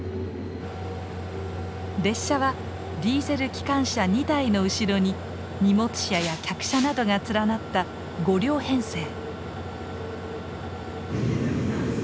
列車はディーゼル機関車２台の後ろに荷物車や客車などが連なった５両編成。